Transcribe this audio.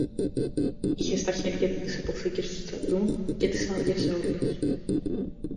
Είχε στα χέρια του τις αποθήκες του στρατού και τις άδειασε όλες.